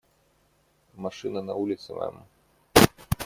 Машина на улице, мэм.